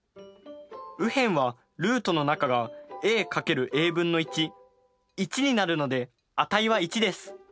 右辺はルートの中がａ×ａ分の１１になるので値は１です。